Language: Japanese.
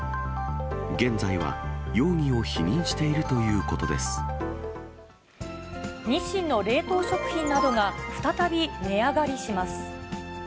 現在は容疑を否認していると日清の冷凍食品などが再び、値上がりします。